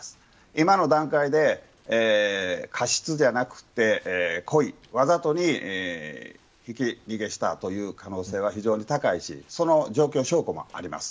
今の段階で過失じゃなくって故意、わざとにひき逃げしたという可能性が非常に高いしその状況証拠もあります。